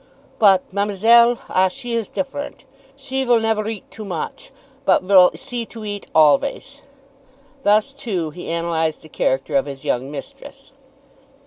"But Ma'me'selle, ah, she is different. She vill never eat too moch, but vill see to eat alvays." Thus too he analyzed the character of his young mistress.